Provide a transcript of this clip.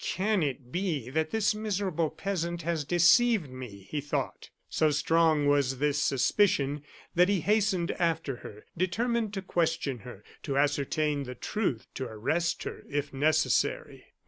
"Can it be that this miserable peasant has deceived me?" he thought. So strong was this suspicion that he hastened after her, determined to question her to ascertain the truth to arrest her, if necessary.